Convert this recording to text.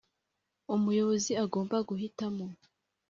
umuyobozi agomba guhitamo